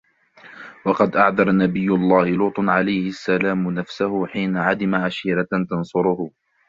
وَقَدْ أَعْذَرَ نَبِيُّ اللَّهِ لُوطٌ عَلَيْهِ السَّلَامُ نَفْسَهُ حِينَ عَدِمَ عَشِيرَةً تَنْصُرُهُ